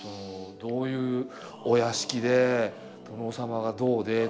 どういうお屋敷で殿様がどうでとかっていう。